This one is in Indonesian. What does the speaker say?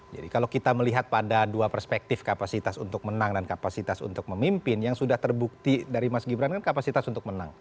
jadi kalau kita melihat pada dua perspektif kapasitas untuk menang dan kapasitas untuk memimpin yang sudah terbukti dari mas gibran kan kapasitas untuk menang